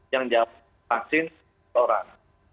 yang jawab vaksin orang